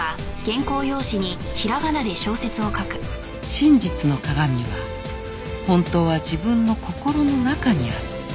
「真実の鏡は本当は自分の心の中にある」